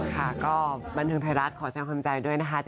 ค่ะก็บันเทิงไทยรัฐขอแสดงความใจด้วยนะคะ